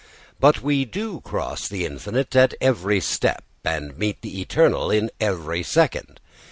But we do cross the infinite at every step, and meet the eternal in every second.